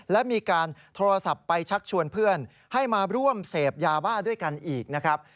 และมีการโทรศัพท์ไปชักชวนเพื่อนให้มาร่วมเสพยาบ้าด้วยกันอีกนะครับ